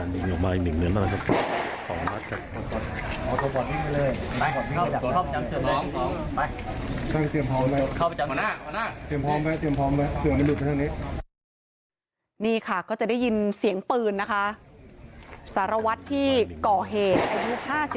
นี่ค่ะก็จะได้ยินเสียงปืนนะคะสารวัตรที่ก่อเหตุอายุ๕๓